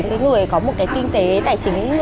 với người có một cái kinh tế tài chính